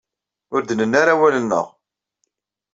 Ur d-nenni ara awal-nneɣ.